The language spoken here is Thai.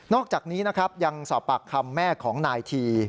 อกจากนี้นะครับยังสอบปากคำแม่ของนายที